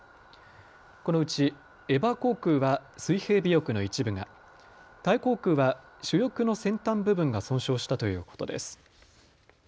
このうちエバー航空は水平尾翼の一部が、タイ航空は主翼の先端部分が損傷したということです。